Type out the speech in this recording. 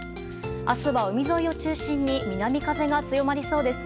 明日は海沿いを中心に南風が強まりそうです。